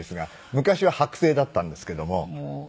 昔は剥製だったんですけども。